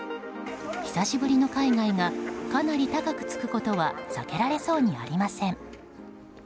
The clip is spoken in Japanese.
久しぶりの海外がかなり高くつくことは避けられそうにありません。